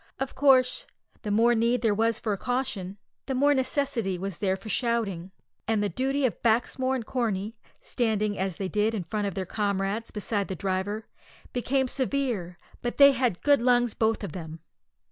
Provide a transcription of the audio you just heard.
Of course, the more need that there was for caution, the more necessity was there for shouting; and the duty of Baxmore and Corney standing as they did in front of their comrades beside the driver became severe, but they had good lungs both of them!